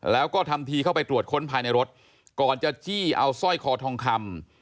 แล้วก็ทำทีเข้าไปตรวจค้นภายในรถก่อนจะจี้เอาสร้อยคอทองคำ